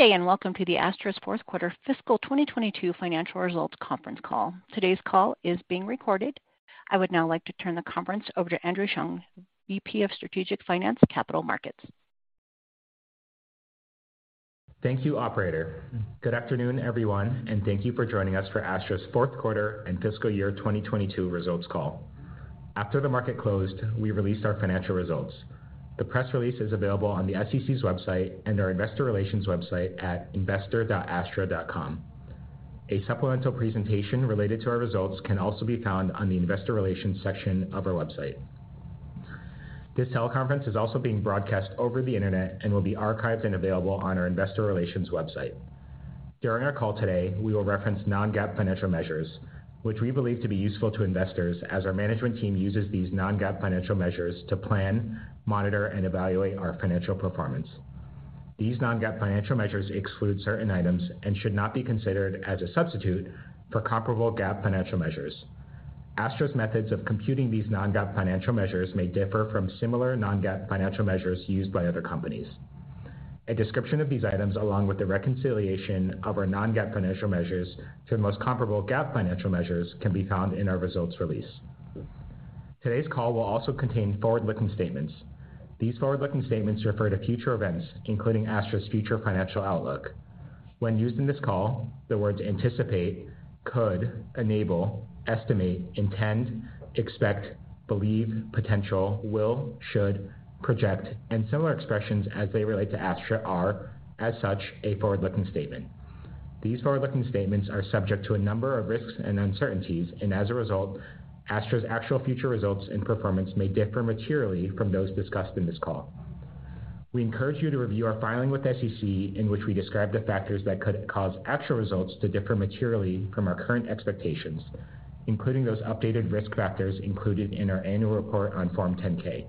Good day and welcome to Astra's fourth quarter fiscal 2022 financial results conference call. Today's call is being recorded. I would now like to turn the conference over to Andrew Cheung, VP of Strategic Finance Capital Markets. Thank you, operator. Good afternoon, everyone, thank you for joining us for Astra's fourth quarter and fiscal year 2022 results call. After the market closed, we released our financial results. The press release is available on the SEC's website and our investor relations website at investor.astra.com. A supplemental presentation related to our results can also be found on the investor relations section of our website. This teleconference is also being broadcast over the internet and will be archived and available on our investor relations website. During our call today, we will reference non-GAAP financial measures, which we believe to be useful to investors as our management team uses these non-GAAP financial measures to plan, monitor, and evaluate our financial performance. These non-GAAP financial measures exclude certain items and should not be considered as a substitute for comparable GAAP financial measures. Astra's methods of computing these non-GAAP financial measures may differ from similar non-GAAP financial measures used by other companies. A description of these items along with the reconciliation of our non-GAAP financial measures to the most comparable GAAP financial measures can be found in our results release. Today's call will also contain forward-looking statements. These forward-looking statements refer to future events, including Astra's future financial outlook. When used in this call, the words anticipate, could, enable, estimate, intend, expect, believe, potential, will, should, project, and similar expressions as they relate to Astra are, as such, a forward-looking statement. These forward-looking statements are subject to a number of risks and uncertainties. As a result, Astra's actual future results and performance may differ materially from those discussed in this call. We encourage you to review our filing with SEC in which we describe the factors that could cause actual results to differ materially from our current expectations, including those updated risk factors included in our annual report on Form 10-K.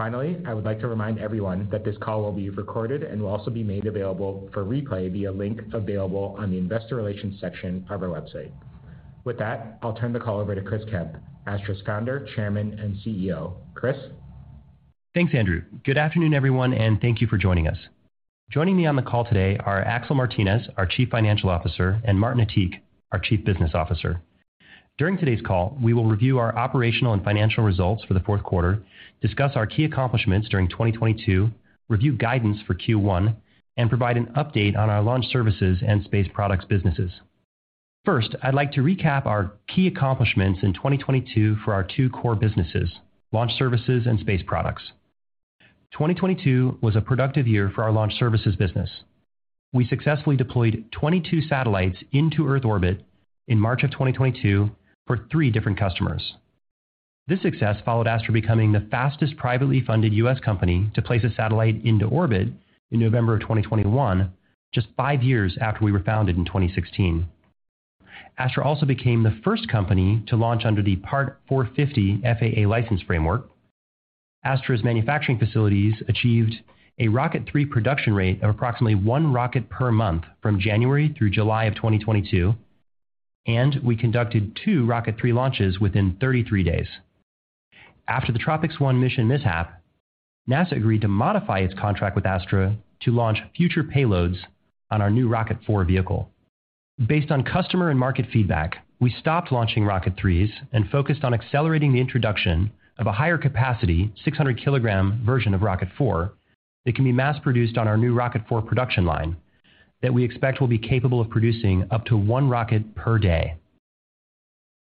I would like to remind everyone that this call will be recorded and will also be made available for replay via link available on the investor relations section of our website. I'll turn the call over to Chris Kemp, Astra's Founder, Chairman, and CEO. Chris. Thanks, Andrew. Good afternoon, everyone, and thank you for joining us. Joining me on the call today are Axel Martinez, our Chief Financial Officer, and Martin Attiq, our Chief Business Officer. During today's call, we will review our operational and financial results for the fourth quarter, discuss our key accomplishments during 2022, review guidance for Q1, and provide an update on our launch services and space products businesses. First, I'd like to recap our key accomplishments in 2022 for our two core businesses, launch services and space products. 2022 was a productive year for our launch services business. We successfully deployed 22 satellites into Earth orbit in March of 2022 for three different customers. This success followed Astra becoming the fastest privately funded U.S. company to place a satellite into orbit in November 2021, just five years after we were founded in 2016. Astra also became the first company to launch under the Part 450 FAA license framework. Astra's manufacturing facilities achieved a Rocket 3 production rate of approximately one rocket per month from January through July 2022. We conducted two Rocket 3 launches within 33 days. After the TROPICS-1 mission mishap, NASA agreed to modify its contract with Astra to launch future payloads on our new Rocket 4 vehicle. Based on customer and market feedback, we stopped launching Rocket 3s and focused on accelerating the introduction of a higher capacity 600 kilogram version of Rocket 4 that can be mass-produced on our new Rocket 4 production line that we expect will be capable of producing up to one rocket per day.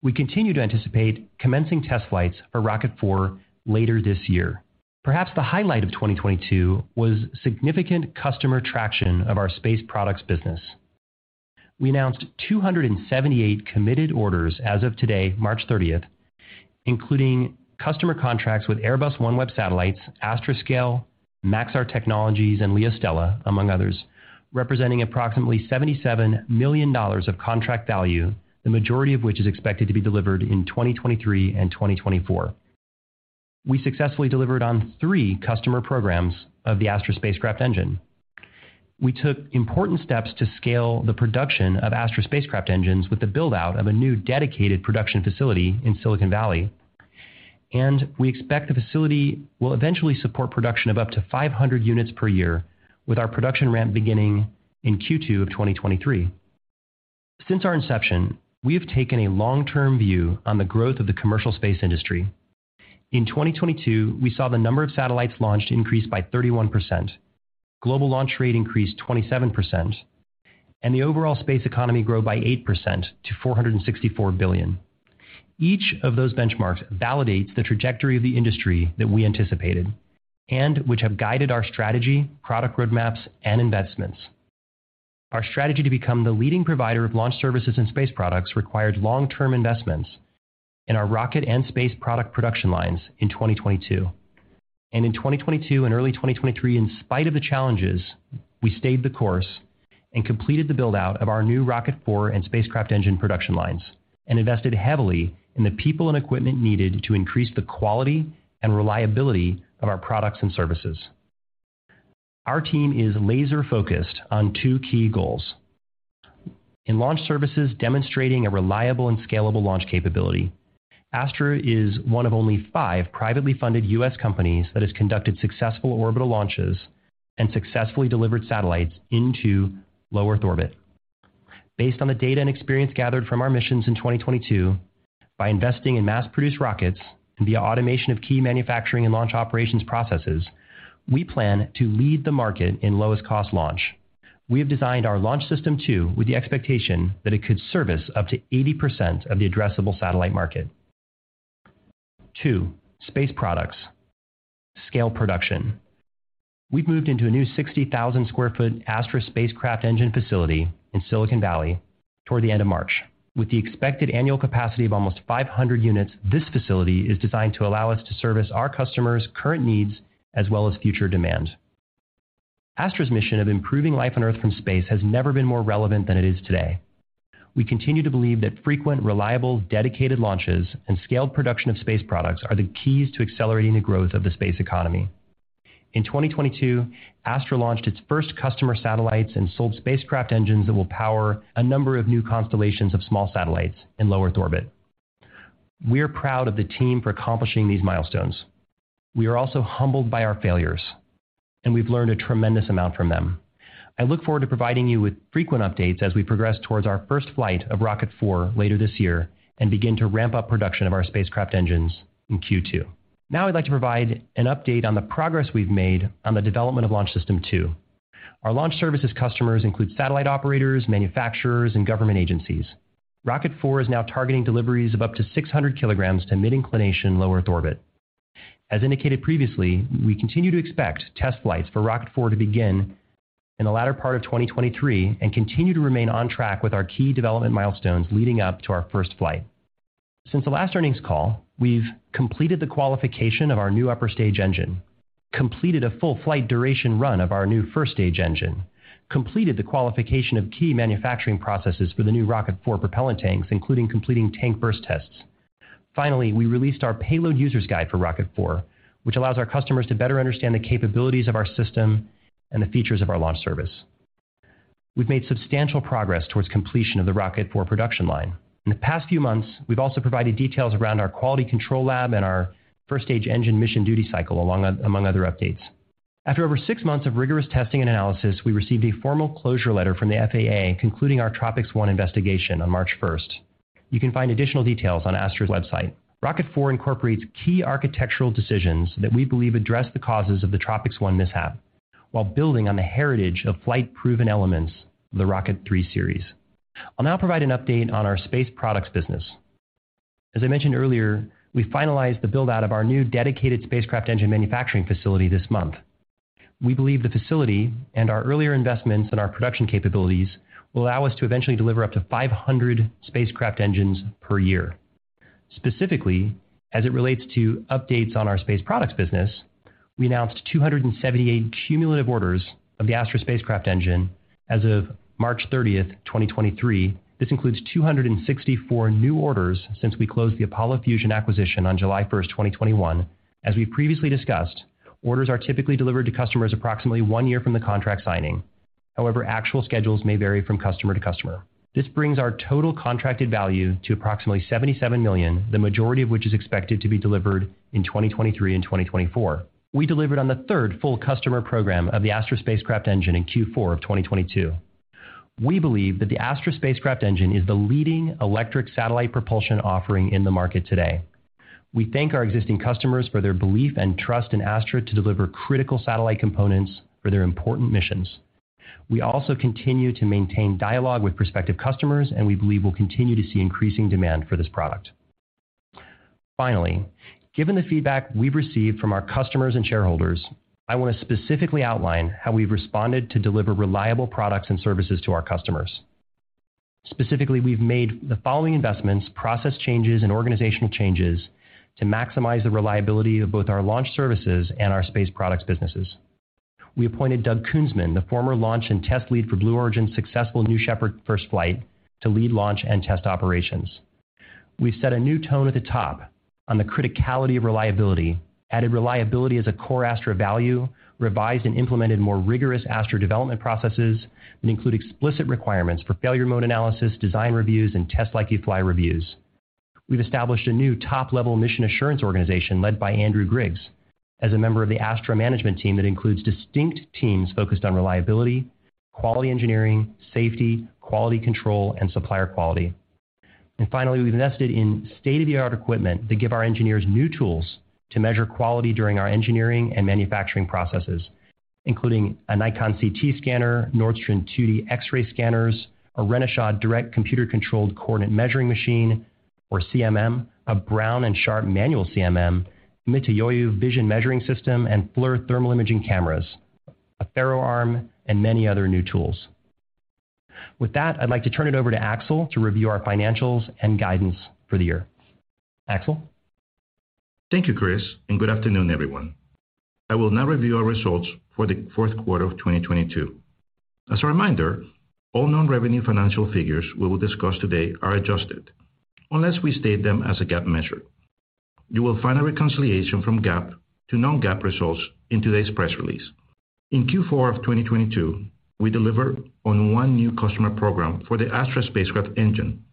We continue to anticipate commencing test flights for Rocket 4 later this year. Perhaps the highlight of 2022 was significant customer traction of our space products business. We announced 278 committed orders as of today, March 30th, including customer contracts with Airbus OneWeb Satellites, Astroscale, Maxar Technologies, and LeoStella, among others, representing approximately $77 million of contract value, the majority of which is expected to be delivered in 2023 and 2024. We successfully delivered on three customer programs of the Astra Spacecraft Engine. We took important steps to scale the production of Astra spacecraft engines with the build-out of a new dedicated production facility in Silicon Valley. We expect the facility will eventually support production of up to 500 units per year with our production ramp beginning in Q2 of 2023. Since our inception, we have taken a long-term view on the growth of the commercial space industry. In 2022, we saw the number of satellites launched increase by 31%. Global launch rate increased 27%, and the overall space economy grow by 8% to $464 billion. Each of those benchmarks validates the trajectory of the industry that we anticipated and which have guided our strategy, product roadmaps, and investments. Our strategy to become the leading provider of launch services and space products required long-term investments in our rocket and space product production lines in 2022. In 2022 and early 2023, in spite of the challenges, we stayed the course and completed the build-out of our new Rocket 4 and spacecraft engine production lines and invested heavily in the people and equipment needed to increase the quality and reliability of our products and services. Our team is laser-focused on two key goals. In launch services demonstrating a reliable and scalable launch capability. Astra is one of only five privately funded U.S. companies that has conducted successful orbital launches and successfully delivered satellites into low Earth orbit. Based on the data and experience gathered from our missions in 2022, by investing in mass-produced rockets and via automation of key manufacturing and launch operations processes, we plan to lead the market in lowest cost launch. We have designed our Launch System 2.0 with the expectation that it could service up to 80% of the addressable satellite market. 2. space products. Scale production. We've moved into a new 60,000 sq ft Astra Spacecraft Engine facility in Silicon Valley toward the end of March. With the expected annual capacity of almost 500 units, this facility is designed to allow us to service our customers' current needs as well as future demand. Astra's mission of improving life on Earth from space has never been more relevant than it is today. We continue to believe that frequent, reliable, dedicated launches and scaled production of space products are the keys to accelerating the growth of the space economy. In 2022, Astra launched its first customer satellites and sold spacecraft engines that will power a number of new constellations of small satellites in low Earth orbit. We are proud of the team for accomplishing these milestones. We are also humbled by our failures, we've learned a tremendous amount from them. I look forward to providing you with frequent updates as we progress towards our first flight of Rocket 4 later this year and begin to ramp up production of our spacecraft engines in Q2. I'd like to provide an update on the progress we've made on the development of Launch System 2. Our launch services customers include satellite operators, manufacturers, and government agencies. Rocket 4 is now targeting deliveries of up to 600 kilograms to mid-inclination low Earth orbit. As indicated previously, we continue to expect test flights for Rocket 4 to begin in the latter part of 2023 and continue to remain on track with our key development milestones leading up to our first flight. Since the last earnings call, we've completed the qualification of our new upper stage engine, completed a full flight duration run of our new first stage engine, completed the qualification of key manufacturing processes for the new Rocket 4 propellant tanks, including completing tank burst tests. We released our Payload User's Guide for Rocket 4, which allows our customers to better understand the capabilities of our system and the features of our launch service. We've made substantial progress towards completion of the Rocket 4 production line. In the past few months, we've also provided details around our quality control lab and our first stage engine mission duty cycle among other updates. After over 6 months of rigorous testing and analysis, we received a formal closure letter from the FAA concluding our TROPICS-1 investigation on March first. You can find additional details on Astra's website. Rocket 4 incorporates key architectural decisions that we believe address the causes of the TROPICS-1 mishap while building on the heritage of flight-proven elements of the Rocket 3 series. I'll now provide an update on our space products business. As I mentioned earlier, we finalized the build-out of our new dedicated spacecraft engine manufacturing facility this month. We believe the facility and our earlier investments in our production capabilities will allow us to eventually deliver up to 500 spacecraft engines per year. Specifically, as it relates to updates on our space products business, we announced 278 cumulative orders of the Astra Spacecraft Engine as of March 30, 2023. This includes 264 new orders since we closed the Apollo Fusion acquisition on July 1, 2021. As we previously discussed, orders are typically delivered to customers approximately one year from the contract signing. However, actual schedules may vary from customer to customer. This brings our total contracted value to approximately $77 million, the majority of which is expected to be delivered in 2023 and 2024. We delivered on the third full customer program of the Astra Spacecraft Engine in Q4 of 2022. We believe that the Astra Spacecraft Engine is the leading electric satellite propulsion offering in the market today. We thank our existing customers for their belief and trust in Astra to deliver critical satellite components for their important missions. We also continue to maintain dialogue with prospective customers. We believe we'll continue to see increasing demand for this product. Finally, given the feedback we've received from our customers and shareholders, I want to specifically outline how we've responded to deliver reliable products and services to our customers. Specifically, we've made the following investments, process changes, and organizational changes to maximize the reliability of both our launch services and our space products businesses. We appointed Doug Kunzman, the former launch and test lead for Blue Origin's successful New Shepard first flight to lead launch and test operations. We've set a new tone at the top on the criticality of reliability, added reliability as a core Astra value, revised and implemented more rigorous Astra development processes that include explicit requirements for failure mode analysis, design reviews, and Test Like You Fly reviews. We've established a new top-level mission assurance organization led by Andrew Griggs as a member of the Astra management team that includes distinct teams focused on reliability, quality engineering, safety, quality control, and supplier quality. Finally, we've invested in state-of-the-art equipment to give our engineers new tools to measure quality during our engineering and manufacturing processes, including a Nikon CT scanner, North Star 2D X-ray scanners, a Renishaw direct computer-controlled coordinate measuring machine or CMM, a Brown & Sharpe manual CMM, Mitutoyo vision measuring system and FLIR thermal imaging cameras, a FaroArm, and many other new tools. With that, I'd like to turn it over to Axel to review our financials and guidance for the year. Axel. Thank you, Chris, and good afternoon, everyone. I will now review our results for the fourth quarter of 2022. As a reminder, all non-revenue financial figures we will discuss today are adjusted unless we state them as a GAAP measure. You will find a reconciliation from GAAP to non-GAAP results in today's press release. In Q4 of 2022, we delivered on one new customer program for the Astra Spacecraft Engine.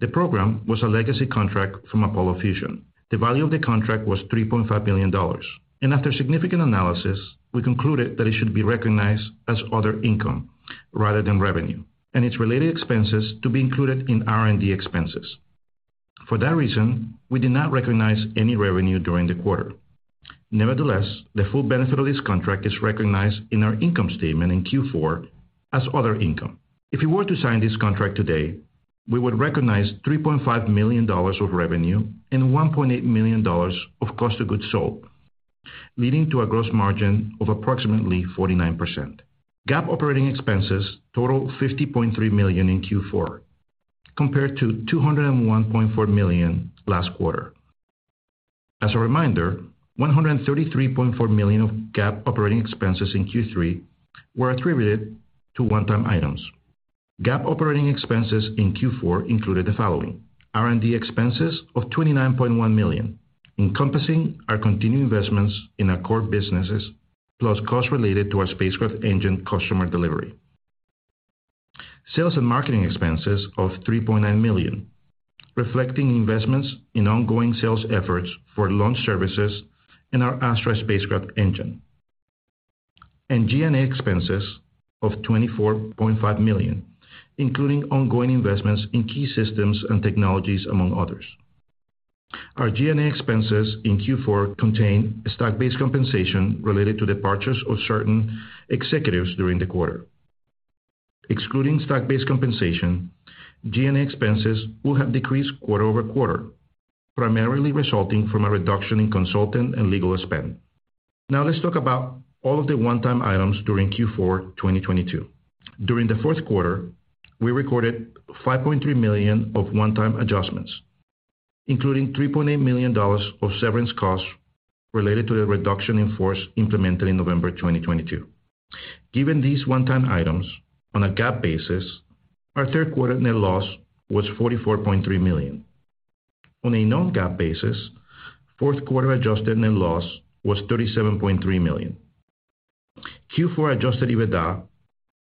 The program was a legacy contract from Apollo Fusion. The value of the contract was $3.5 billion. After significant analysis, we concluded that it should be recognized as other income rather than revenue, and its related expenses to be included in R&D expenses. For that reason, we did not recognize any revenue during the quarter. Nevertheless, the full benefit of this contract is recognized in our income statement in Q4 as other income. If we were to sign this contract today, we would recognize $3.5 million of revenue and $1.8 million of cost of goods sold, leading to a gross margin of approximately 49%. GAAP operating expenses totaled $50.3 million in Q4 compared to $201.4 million last quarter. As a reminder, $133.4 million of GAAP operating expenses in Q3 were attributed to one-time items. GAAP operating expenses in Q4 included the following: R&D expenses of $29.1 million, encompassing our continuing investments in our core businesses, plus costs related to our Spacecraft Engine customer delivery. Sales and marketing expenses of $3.9 million, reflecting investments in ongoing sales efforts for launch services and our Astra Spacecraft Engine. G&A expenses of $24.5 million, including ongoing investments in key systems and technologies, among others. Our G&A expenses in Q4 contain stock-based compensation related to departures of certain executives during the quarter. Excluding stock-based compensation, G&A expenses will have decreased quarter-over-quarter, primarily resulting from a reduction in consultant and legal spend. Now let's talk about all of the one-time items during Q4 2022. During the fourth quarter, we recorded $5.3 million of one-time adjustments, including $3.8 million of severance costs related to the reduction in force implemented in November 2022. Given these one-time items, on a GAAP basis, our third quarter net loss was $44.3 million. On a non-GAAP basis, fourth quarter adjusted net loss was $37.3 million. Q4 adjusted EBITDA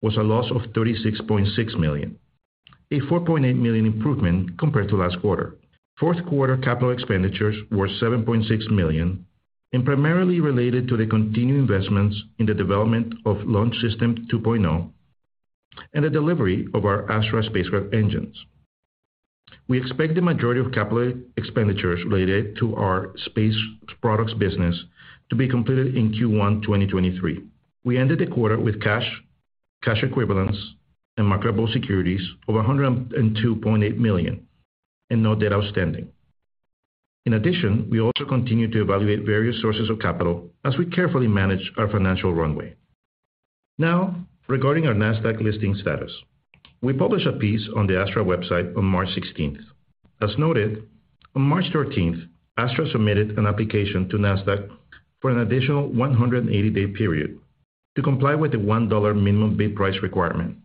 was a loss of $36.6 million, a $4.8 million improvement compared to last quarter. Fourth quarter capital expenditures were $7.6 million and primarily related to the continued investments in the development of Launch System 2.0 and the delivery of our Astra Spacecraft Engines. We expect the majority of capital expenditures related to our space products business to be completed in Q1 2023. We ended the quarter with cash equivalents, and marketable securities over $102.8 million and no debt outstanding. In addition, we also continue to evaluate various sources of capital as we carefully manage our financial runway. Regarding our Nasdaq listing status. We published a piece on the Astra website on March 16th. As noted, on March 13th, Astra submitted an application to Nasdaq for an additional 180-day period to comply with the $1 minimum bid price requirement.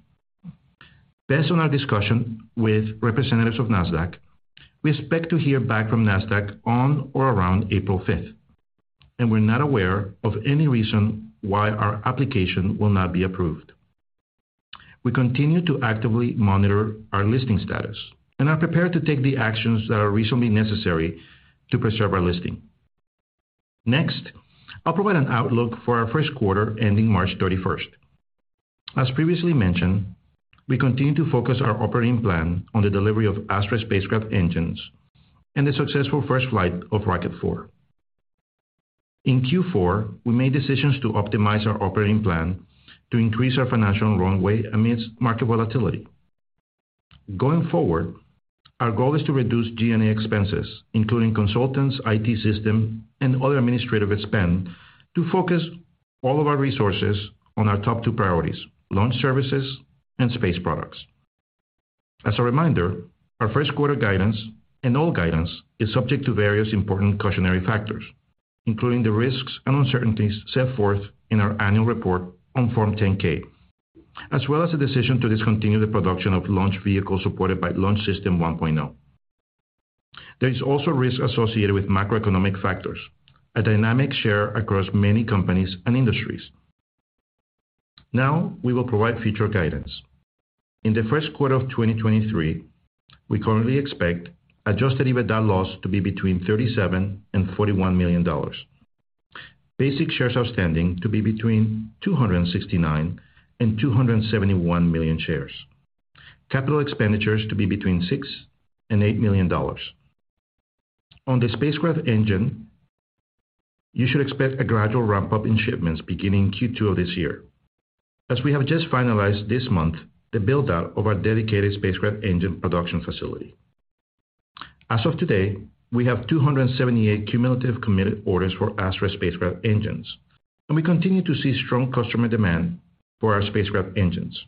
Based on our discussion with representatives of Nasdaq, we expect to hear back from Nasdaq on or around April 5th. We're not aware of any reason why our application will not be approved. We continue to actively monitor our listing status and are prepared to take the actions that are reasonably necessary to preserve our listing. I'll provide an outlook for our first quarter ending March 31st. As previously mentioned, we continue to focus our operating plan on the delivery of Astra Spacecraft Engines and the successful first flight of Rocket 4. In Q4, we made decisions to optimize our operating plan to increase our financial runway amidst market volatility. Going forward, our goal is to reduce G&A expenses, including consultants, IT system, and other administrative spend to focus all of our resources on our top two priorities, launch services and space products. As a reminder, our first quarter guidance and all guidance is subject to various important cautionary factors, including the risks and uncertainties set forth in our annual report on Form 10-K, as well as the decision to discontinue the production of launch vehicles supported by Launch System 1.0. There is also risk associated with macroeconomic factors, a dynamic share across many companies and industries. Now we will provide future guidance. In the first quarter of 2023, we currently expect adjusted EBITDA loss to be between $37 million and $41 million. Basic shares outstanding to be between 269 million and 271 million shares. Capital expenditures to be between $6 million and $8 million. On the Spacecraft Engine, you should expect a gradual ramp-up in shipments beginning in Q2 of this year, as we have just finalized this month the build-out of our dedicated Spacecraft Engine production facility. As of today, we have 278 cumulative committed orders for Astra Spacecraft Engines. We continue to see strong customer demand for our Spacecraft Engines.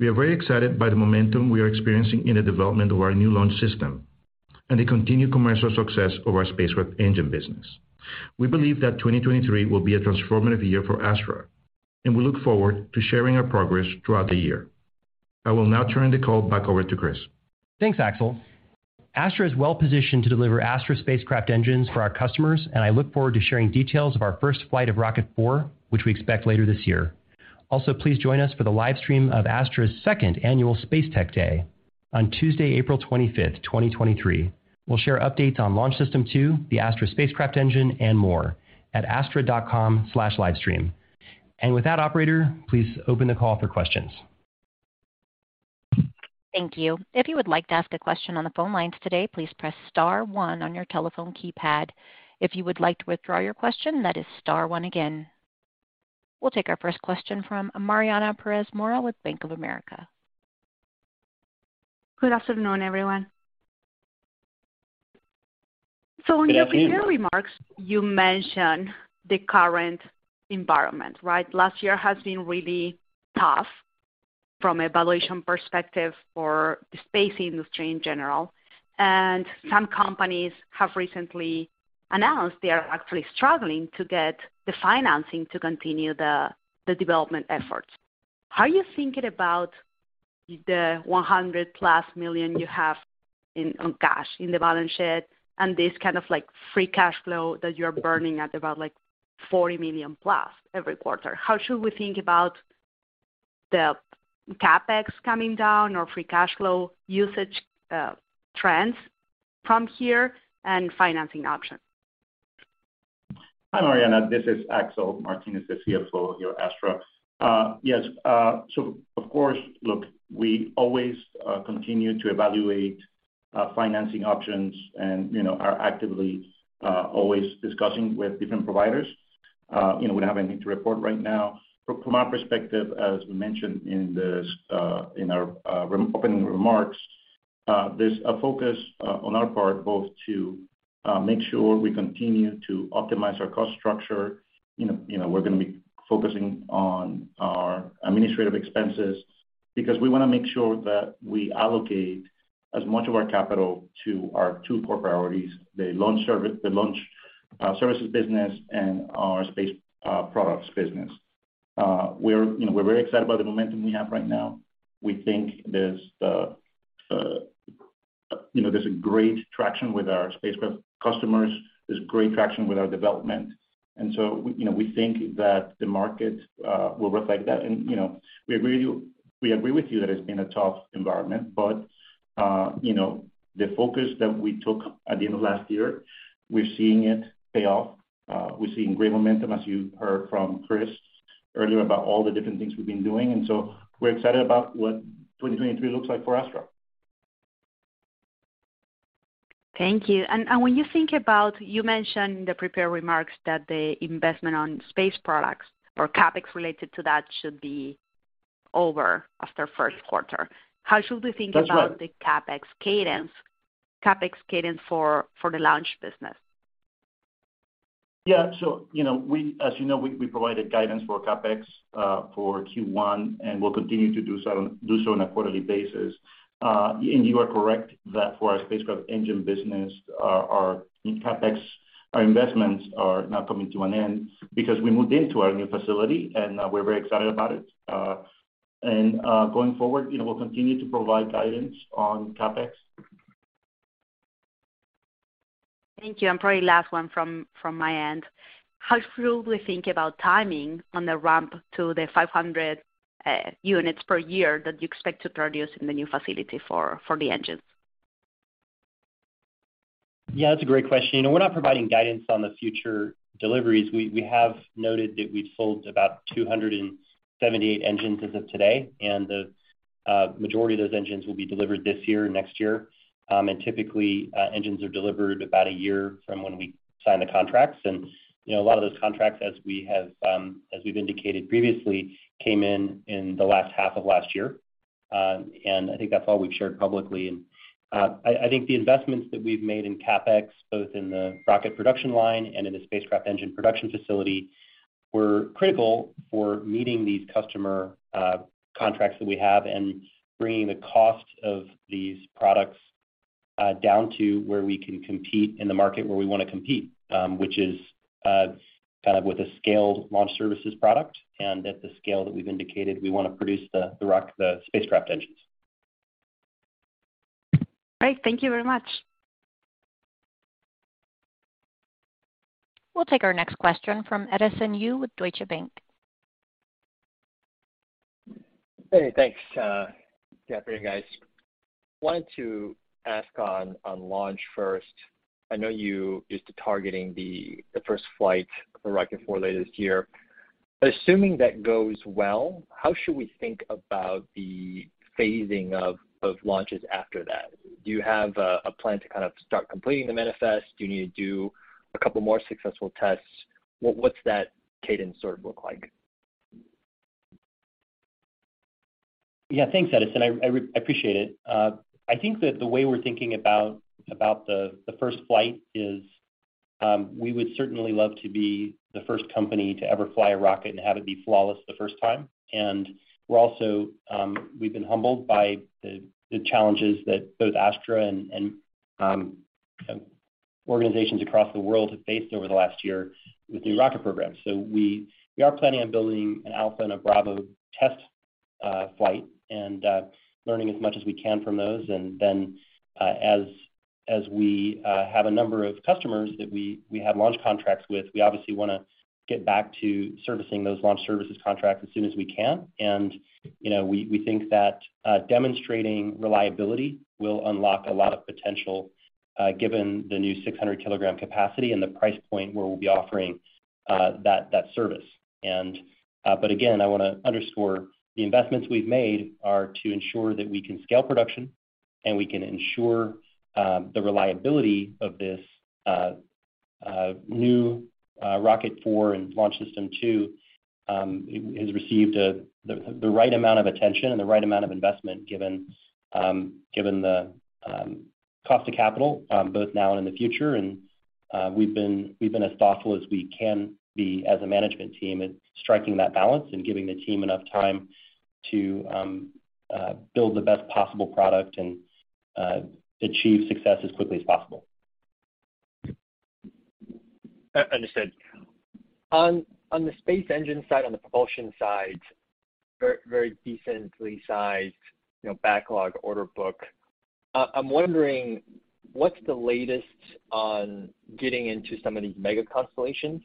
We are very excited by the momentum we are experiencing in the development of our new launch system and the continued commercial success of our Spacecraft Engine business. We believe that 2023 will be a transformative year for Astra. We look forward to sharing our progress throughout the year. I will now turn the call back over to Chris. Thanks, Axel. Astra is well positioned to deliver Astra Spacecraft Engines for our customers. I look forward to sharing details of our first flight of Rocket 4, which we expect later this year. Also, please join us for the live stream of Astra's second annual Space Tech Day on Tuesday, April 25th, 2023. We'll share updates on Launch System 2, the Astra Spacecraft Engine, and more at astra.com/livestream. With that, operator, please open the call for questions. Thank you. If you would like to ask a question on the phone lines today, please press star one on your telephone keypad. If you would like to withdraw your question, that is star one again. We'll take our first question from Mariana Perez Mora with Bank of America. Good afternoon, everyone. In your prepared remarks, you mentioned the current environment, right? Last year has been really tough from a valuation perspective for the space industry in general, and some companies have recently announced they are actually struggling to get the financing to continue the development efforts. How are you thinking about the $100+ million you have in cash in the balance sheet and this kind of, like, free cash flow that you're burning at about, like, $40+ million every quarter? How should we think about the CapEx coming down or free cash flow usage trends from here and financing options? Hi, Mariana. This is Axel Martinez, the CFO here at Astra. Yes. Of course, look, we always continue to evaluate financing options and, you know, are actively always discussing with different providers. You know, we don't have anything to report right now. From our perspective, as we mentioned in our opening remarks, there's a focus on our part both to make sure we continue to optimize our cost structure. You know, we're gonna be focusing on our administrative expenses because we wanna make sure that we allocate as much of our capital to our two core priorities, the launch services business and our space products business. We're, you know, we're very excited about the momentum we have right now. We think there's, you know, there's a great traction with our spacecraft customers. There's great traction with our development. you know, we think that the market will reflect that. you know, we agree with you that it's been a tough environment, but, you know, the focus that we took at the end of last year, we're seeing it pay off. We're seeing great momentum, as you heard from Chris earlier, about all the different things we've been doing. We're excited about what 2023 looks like for Astra. Thank you. You mentioned in the prepared remarks that the investment on space products or CapEx related to that should be over after first quarter. That's right. How should we think about the CapEx cadence for the launch business? Yeah. you know, as you know, we provided guidance for CapEx for Q1, and we'll continue to do so on a quarterly basis. You are correct that for our spacecraft engine business, our CapEx, our investments are now coming to an end because we moved into our new facility and we're very excited about it. Going forward, you know, we'll continue to provide guidance on CapEx. Thank you. Probably last one from my end. How should we think about timing on the ramp to the 500 units per year that you expect to produce in the new facility for the engines? Yeah, that's a great question. You know, we're not providing guidance on the future deliveries. We have noted that we've sold about 278 engines as of today, and the majority of those engines will be delivered this year and next year. Typically, engines are delivered about a year from when we sign the contracts. You know, a lot of those contracts, as we've indicated previously, came in in the last half of last year. I think that's all we've shared publicly. I think the investments that we've made in CapEx, both in the rocket production line and in the spacecraft engine production facility, were critical for meeting these customer contracts that we have and bringing the cost of these products down to where we can compete in the market where we wanna compete, which is kind of with a scaled launch services product and at the scale that we've indicated we wanna produce the spacecraft engines. Great. Thank you very much. We'll take our next question from Edison Yu with Deutsche Bank. Thanks, yeah, for you guys. Wanted to ask on launch first. I know you used to targeting the first flight for Rocket 4 later this year. Assuming that goes well, how should we think about the phasing of launches after that? Do you have a plan to kind of start completing the manifest? Do you need to do a couple more successful tests? What's that cadence sort of look like? Yeah. Thanks, Edison. I appreciate it. I think that the way we're thinking about the first flight is, we would certainly love to be the first company to ever fly a rocket and have it be flawless the first time. We're also, we've been humbled by the challenges that both Astra and, you know-Organizations across the world have faced over the last year with new rocket programs. We are planning on building an alpha and a bravo test flight and learning as much as we can from those. As we have a number of customers that we have launch contracts with, we obviously wanna get back to servicing those launch services contracts as soon as we can. You know, we think that demonstrating reliability will unlock a lot of potential given the new 600 kilogram capacity and the price point where we'll be offering that service. Again, I wanna underscore the investments we've made are to ensure that we can scale production and we can ensure the reliability of this new Rocket 4 and Launch System 2. It has received the right amount of attention and the right amount of investment given given the cost to capital both now and in the future. We've been as thoughtful as we can be as a management team at striking that balance and giving the team enough time to build the best possible product and achieve success as quickly as possible. Understood. On, on the Spacecraft Engine side, on the propulsion side, very decently sized, you know, backlog order book. I'm wondering what's the latest on getting into some of these mega constellations?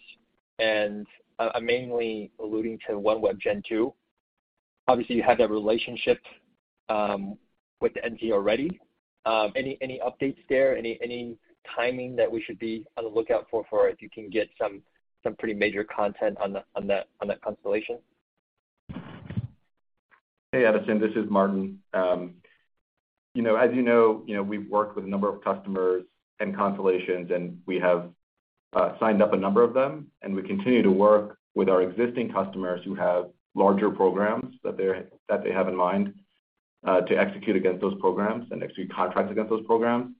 And I'm mainly alluding to OneWeb Gen 2. Obviously, you have that relationship with NT already. Any, any updates there? Any, any timing that we should be on the lookout for if you can get some pretty major content on the, on that constellation? Hey, Edison, this is Martin. you know, as you know, you know, we've worked with a number of customers and constellations, and we have signed up a number of them, and we continue to work with our existing customers who have larger programs that they have in mind, to execute against those programs and execute contracts against those programs.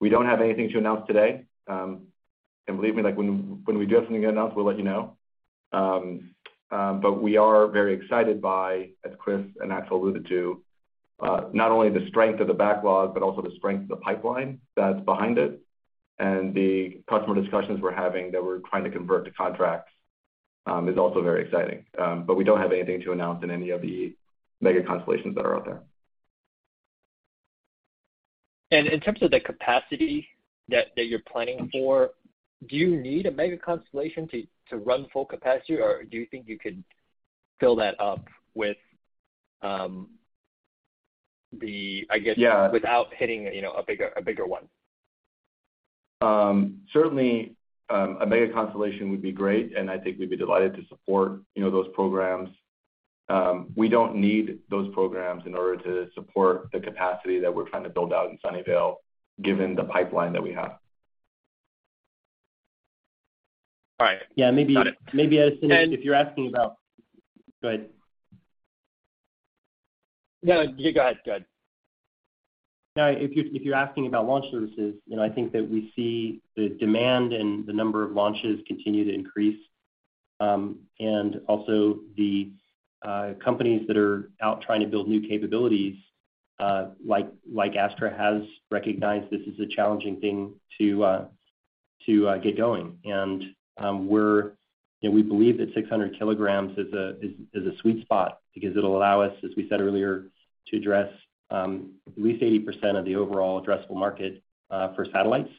We don't have anything to announce today. Believe me, like, when we do have something to announce, we'll let you know. We are very excited by, as Chris and Axel alluded to, not only the strength of the backlog, but also the strength of the pipeline that's behind it. The customer discussions we're having that we're trying to convert to contracts, is also very exciting. We don't have anything to announce in any of the mega constellations that are out there. In terms of the capacity that you're planning for, do you need a mega constellation to run full capacity? Do you think you could fill that up with? Yeah. without hitting, you know, a bigger one? Certainly, a mega constellation would be great, and I think we'd be delighted to support, you know, those programs. We don't need those programs in order to support the capacity that we're trying to build out in Sunnyvale given the pipeline that we have. All right. Got it. Yeah, maybe, Edison, if you're asking about, go ahead. No, you go ahead. Go ahead. No, if you're asking about launch services, you know, I think that we see the demand and the number of launches continue to increase. Also the companies that are out trying to build new capabilities, like Astra has recognized this is a challenging thing to get going. You know, we believe that 600 kilograms is a sweet spot because it'll allow us, as we said earlier, to address at least 80% of the overall addressable market for satellites.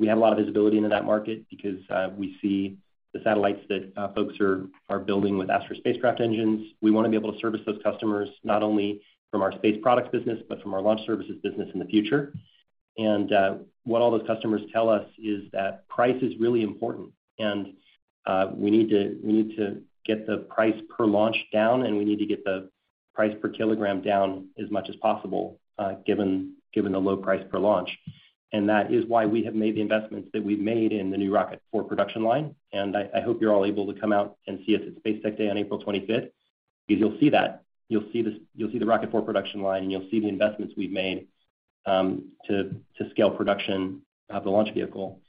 We have a lot of visibility into that market because we see the satellites that folks are building with Astra Spacecraft Engines. We wanna be able to service those customers not only from our space products business, but from our launch services business in the future. What all those customers tell us is that price is really important. We need to get the price per launch down, and we need to get the price per kilogram down as much as possible, given the low price per launch. That is why we have made the investments that we've made in the new Rocket 4 production line. I hope you're all able to come out and see us at Space Tech Day on April 25th, because you'll see that. You'll see the Rocket 4 production line, and you'll see the investments we've made to scale production of the launch vehicle.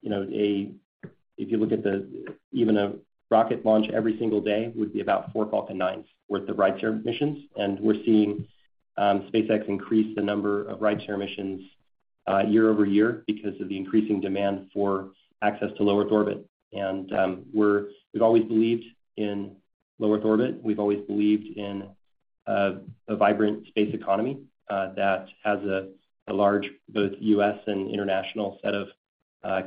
You know, 600 kilograms, when you look at it, is, you know, If you look at the, even a rocket launch every single day would be about four Falcon 9s worth of rideshare missions. We're seeing SpaceX increase the number of rideshare missions year-over-year because of the increasing demand for access to low Earth orbit. We've always believed in low Earth orbit. We've always believed in a vibrant space economy that has a large both U.S. and international set of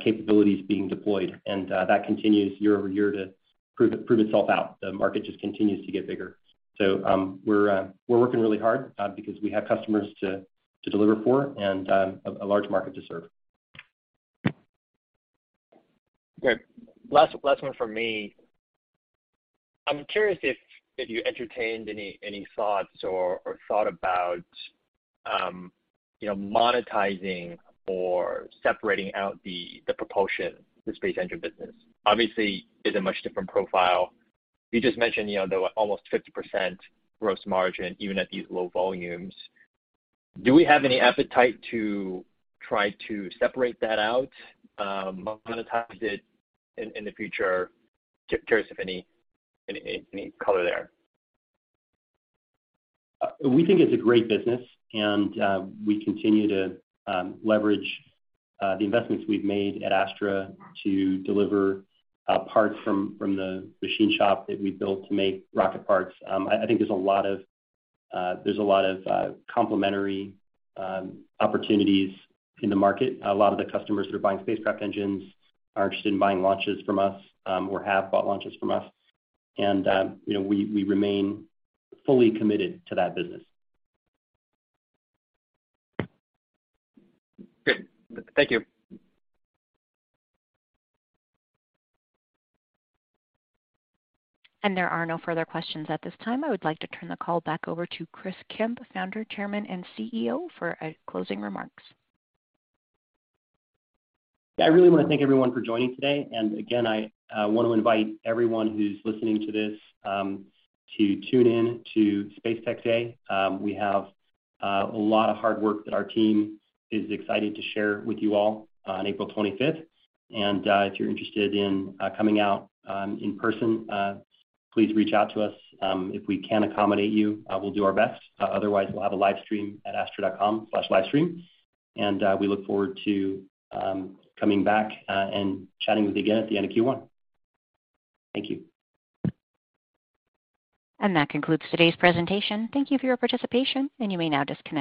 capabilities being deployed. That continues year-over-year to prove itself out. The market just continues to get bigger. We're working really hard because we have customers to deliver for and a large market to serve. Great. Last one from me. I'm curious if you entertained any thoughts or thought about, you know, monetizing or separating out the propulsion, the space engine business. Obviously, it's a much different profile. You just mentioned, you know, the almost 50% gross margin even at these low volumes. Do we have any appetite to try to separate that out, monetize it in the future? Curious if any color there. We think it's a great business, and we continue to leverage the investments we've made at Astra to deliver parts from the machine shop that we built to make rocket parts. I think there's a lot of, there's a lot of complementary opportunities in the market. A lot of the customers that are buying spacecraft engines are interested in buying launches from us, or have bought launches from us. You know, we remain fully committed to that business. Great. Thank you. There are no further questions at this time. I would like to turn the call back over to Chris Kemp, Founder, Chairman, and CEO, for closing remarks. I really wanna thank everyone for joining today. Again, I want to invite everyone who's listening to this to tune in to Space Tech Day. We have a lot of hard work that our team is excited to share with you all on April 25th. If you're interested in coming out in person, please reach out to us. If we can accommodate you, we'll do our best. Otherwise, we'll have a live stream at astra.com/livestream. We look forward to coming back and chatting with you again at the end of Q1. Thank you. That concludes today's presentation. Thank you for your participation, and you may now disconnect.